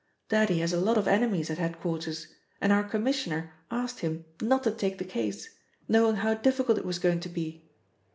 Daddy has a lot of enemies at head quarters, and our Commissioner asked him not to take the case, knowing how difficult it was going to be.